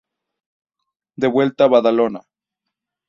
De vuelta a Badalona.